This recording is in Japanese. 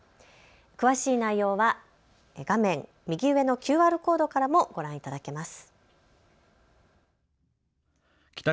詳しい内容は画面右上のＱＲコードからもご覧いただけます。